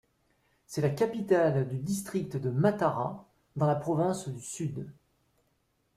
C'est la capitale du district de Matara, dans la Province du Sud.